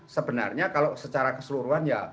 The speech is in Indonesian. sebenarnya kalau secara keseluruhan ya